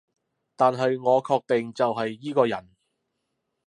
但係我確定就係依個人